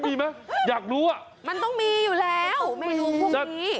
มีไหมอยากรู้อ่ะมันต้องมีอยู่แล้วเมนูพวกนี้